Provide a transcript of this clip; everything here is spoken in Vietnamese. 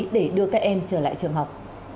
để đưa các em trở lại trường học